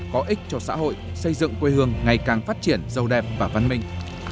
có ích cho xã hội xây dựng quê hương ngày càng phát triển giàu đẹp và văn minh